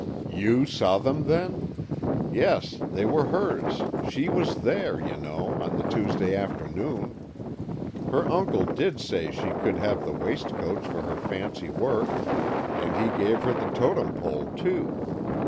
"You saw them, then? Yes, they were hers, she was there, you know, on the Tuesday afternoon. Her uncle did say she could have the waistcoats for her fancy work, and he gave her the Totem Pole, too.